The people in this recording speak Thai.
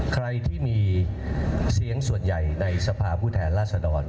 ใครที่มีเสียงส่วนใหญ่ในสภาพผู้แทนราษฎร